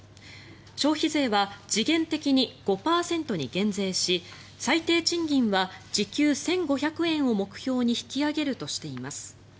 消費税は時限的に５％に減税し最低賃金は時給１５００円を目標に引き上げるとしています。